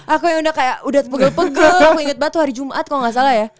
aku yang udah kayak udah pegel pegel aku inget banget tuh hari jumat kalau gak salah ya